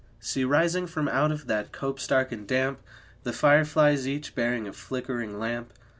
See, rising from out of that copse, dark and damp, The fire flies, each bearing a flickering lamp!